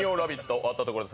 終わったところです